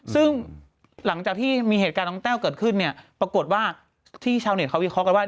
ซึ่งหลังจากที่มีเหตุการณ์น้องแต้วเกิดขึ้นเนี่ยปรากฏว่าที่ชาวเน็ตเขาวิเคราะห์กันว่า